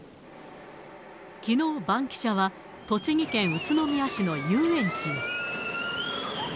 きのう、バンキシャは、栃木県宇都宮市の遊園地へ。